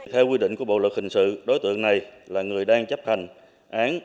theo quy định của bộ luật hình sự đối tượng này là người đang chấp hành án